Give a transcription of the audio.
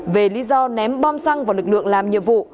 về lý do ném bom xăng vào lực lượng làm nhiệm vụ